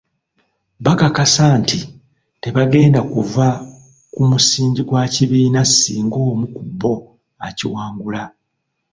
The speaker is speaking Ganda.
Bakakasa nti tebagenda kuva ku musingi gwa kibiina singa omu ku bo akiwangula.